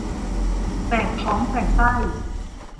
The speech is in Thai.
แสบท้องแสบไส้